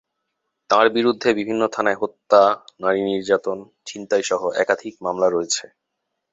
তাঁর বিরুদ্ধে বিভিন্ন থানায় হত্যা, নারী নির্যাতন, ছিনতাইসহ একাধিক মামলা রয়েছে।